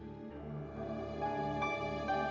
yidah aku langsung nyari kan